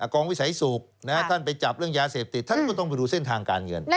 กองวิสัยสุข